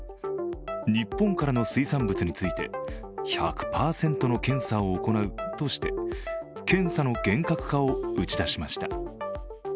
日本からの水産物について１００％の検査を行うとして検査の厳格化を打ち出しました。